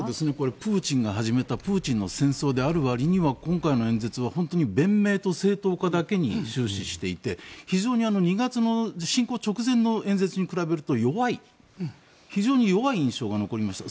プーチンが始めたプーチンの戦争であるわりには今回の演説は本当に弁明と正当化だけに終始していて非常に２月の侵攻直前の演説に比べると弱い非常に弱い印象が残りました。